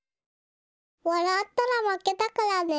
わらったらまけだからね。